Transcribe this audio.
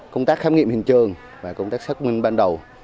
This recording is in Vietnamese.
công tác khám nghiệm hiện trường và công tác xác minh ban đầu